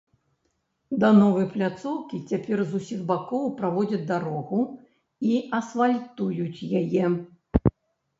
Да новай пляцоўкі цяпер з усіх бакоў праводзяць дарогу і асфальтуюць яе.